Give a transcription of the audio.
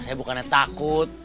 saya bukannya takut